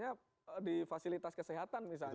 kalau fasilitas kesehatan misalnya